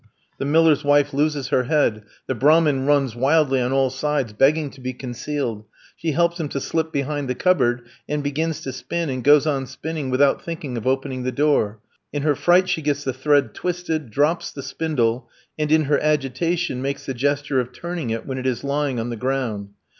The miller's wife loses her head; the Brahmin runs wildly on all sides, begging to be concealed. She helps him to slip behind the cupboard, and begins to spin, and goes on spinning without thinking of opening the door. In her fright she gets the thread twisted, drops the spindle, and, in her agitation, makes the gesture of turning it when it is lying on the ground.